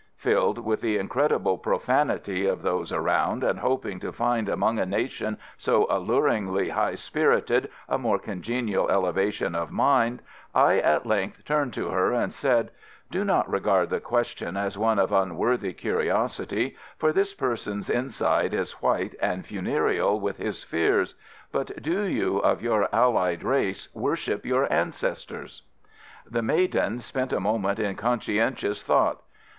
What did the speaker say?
Filled with the incredible profanity of those around, and hoping to find among a nation so alluringly high spirited a more congenial elevation of mind, I at length turned to her and said, "Do not regard the question as one of unworthy curiosity, for this person's inside is white and funereal with his fears; but do you, of your allied race, worship your ancestors?" The maiden spent a moment in conscientious thought.